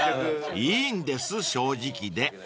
［いいんです正直で］